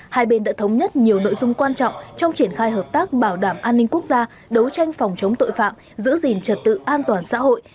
hai bên đã thống nhất nhiều nội dung quan trọng trong triển khai hợp tác bảo đảm an ninh quốc gia đấu tranh phòng chống tội phạm giữ gìn trật tự an toàn xã hội